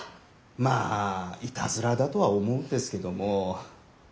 まあイタズラだとは思うんですけども。